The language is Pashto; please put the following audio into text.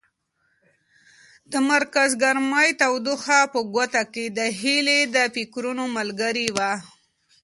د مرکز ګرمۍ تودوخه په کوټه کې د هیلې د فکرونو ملګرې وه.